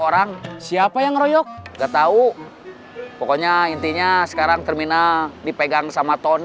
orang siapa yang royok enggak tahu pokoknya intinya sekarang terminal dipegang sama tony